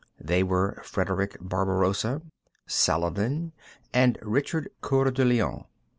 They were Frederick Barbarossa, Saladin, and Richard Coeur De Lion.